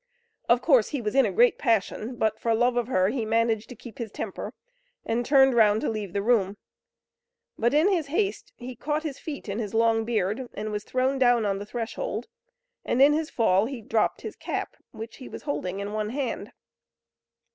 Of course he was in a great passion; but for love of her he managed to keep his temper, and turned round to leave the room. But in his haste he caught his feet in his long beard, and was thrown down on the threshold, and in his fall he dropped his cap, which he was holding in one hand.